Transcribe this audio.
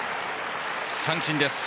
三振です。